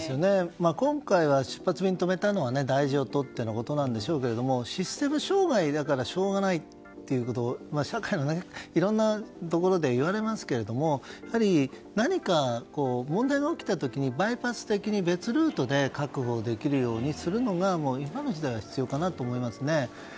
今回は出発便を止めたのは大事を取ってのことなんでしょうけどシステム障害だからしょうがないと社会のいろんなところで言われますけれども何か問題が起きた時にバイパス的に別ルートで確保できるようにするのが今の時代は必要かなと思いますね。